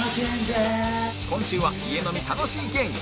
今週は家飲み楽しい芸人